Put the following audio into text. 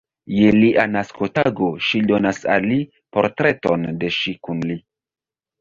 Je lia naskotago ŝi donas al li portreton de ŝi kun li.